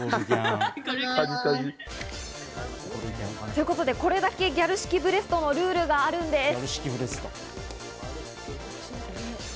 ということで、これだけギャル式ブレストのルールがあるんです。